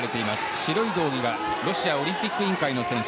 白い道着がロシアオリンピック委員会の選手